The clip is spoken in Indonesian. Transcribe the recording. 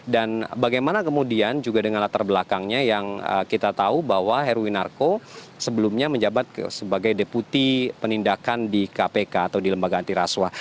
dan bagaimana kemudian juga dengan latar belakangnya yang kita tahu bahwa heruwinarko sebelumnya menjabat sebagai deputi penindakan di kpk atau di lembaga antiraswa